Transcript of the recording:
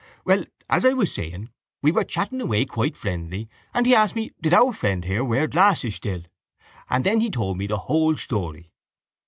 Well, as I was saying, we were chatting away quite friendly and he asked me did our friend here wear glasses still, and then he told me the whole story.